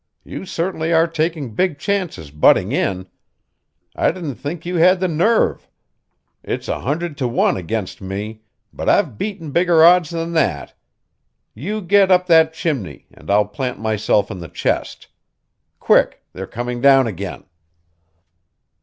You certainly are taking big chances butting in. I didn't think you had the nerve. It's a hundred to one against me, but I've beaten bigger odds than that. You get up that chimney and I'll plant myself in the chest. Quick, they're coming down again."